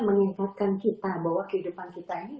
mengingatkan kita bahwa kehidupan kita ini